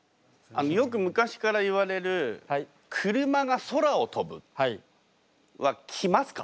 よく昔からいわれる車が空を飛ぶは来ますか？